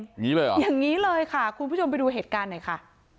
อย่างนี้เลยเหรออย่างนี้เลยค่ะคุณผู้ชมไปดูเหตุการณ์หน่อยค่ะ